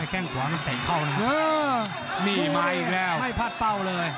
แค่งขวานี่ตีงเข้านะครับนี่มาอีกแล้วไม่พลาดเป้าเลย